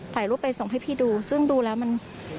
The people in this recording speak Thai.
ถ่ายรูปไปส่งให้พี่ดูซึ่งดูแล้วมัน